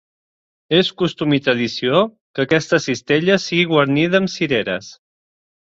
És costum i tradició que aquesta cistella sigui guarnida amb cireres.